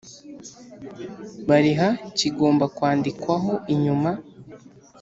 bariha kigomba kwandikwaho inyuma